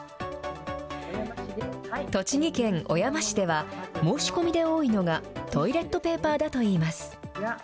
栃木県小山市では、申し込みで多いのが、トイレットペーパーだといいます。